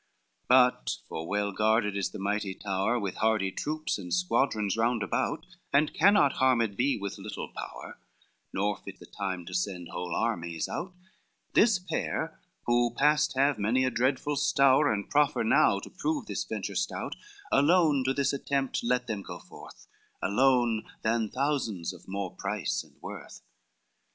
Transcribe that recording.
XV "But for well guarded is the mighty tower With hardy troops and squadrons round about, And cannot harmed be with little power, Nor fit the time to send whole armies out, This pair who passed have many a dreadful stowre, And proffer now to prove this venture stout, Alone to this attempt let them go forth, Alone than thousands of more price and worth.